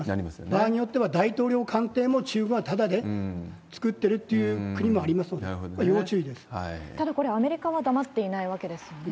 場合によっては、大統領官邸も中国はただで作ってるっていう国もありますので、要ただこれ、アメリカは黙っていないわけですよね。